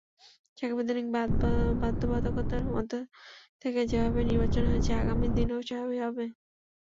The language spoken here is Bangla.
সাংবিধানিক বাধ্যবাধকতার মধ্য থেকে যেভাবে নির্বাচন হয়েছে, আগামী দিনেও সেভাবেই হবে।